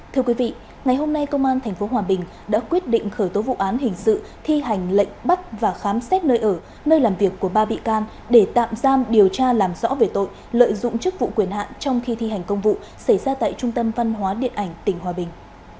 thưa quý vị ngày hôm nay công an tp hòa bình đã quyết định khởi tố vụ án hình sự thi hành lệnh bắt và khám xét nơi ở nơi làm việc của ba bị can để tạm giam điều tra làm rõ về tội lợi dụng chức vụ quyền hạn trong khi thi hành công vụ xảy ra tại trung tâm văn hóa điện ảnh tỉnh hòa bình